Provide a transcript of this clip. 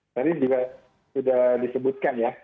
tadi juga sudah disebutkan ya